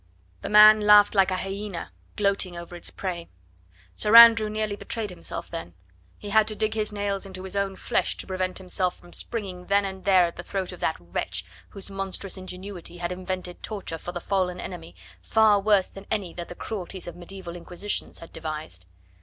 The man laughed like some hyena gloating over its prey. Sir Andrew nearly betrayed himself then. He had to dig his nails into his own flesh to prevent himself from springing then and there at the throat of that wretch whose monstrous ingenuity had invented torture for the fallen enemy far worse than any that the cruelties of medieval Inquisitions had devised.